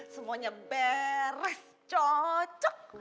semuanya beres cocok